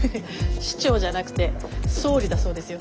市長じゃなくて総理だそうですよ。